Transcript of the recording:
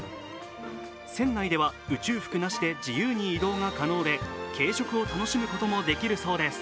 船内では宇宙服なしで自由に移動が可能で軽食を楽しむこともできるそうです。